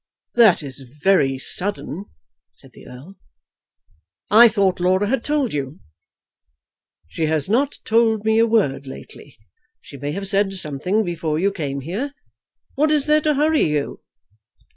"That is very sudden," said the Earl. "I thought Laura had told you." "She has not told me a word lately. She may have said something before you came here. What is there to hurry you?"